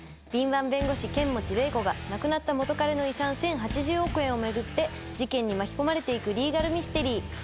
敏腕弁護士剣持麗子が亡くなった元カレの遺産１，０８０億円を巡って事件に巻き込まれていくリーガルミステリー。